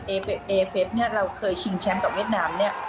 เอเฟสเนี่ยเราเคยชิงแชมป์กับเวียดนามเนี่ย